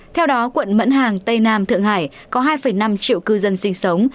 theo đó quận mẫn hàng tây nam thượng hải có hai năm triệu cư dân sinh sống